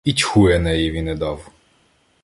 І тьху Енеєві не дав.